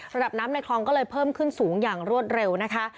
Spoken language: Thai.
ระดับน้ำในคลองก็เลยเพิ่มขึ้นสูงอย่างรวดเร็วนะคะ